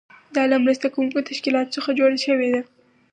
دا له مرسته کوونکو تشکیلاتو څخه جوړه شوې ده.